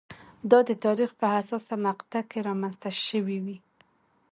دا د تاریخ په حساسه مقطعه کې رامنځته شوې وي.